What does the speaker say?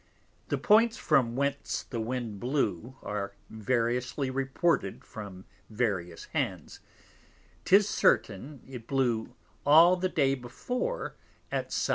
The Points from whence the Wind blew, are variously reported from various Hands: 'Tis certain, it blew all the Day before at S.W.